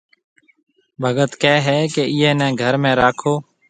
ڀگت ڪھيََََ ھيَََ ڪہ ايئيَ نيَ گھر ۾ راکو